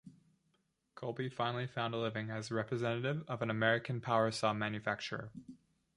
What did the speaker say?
Kolbe finally found a living as a representative of an American power-saw manufacturer.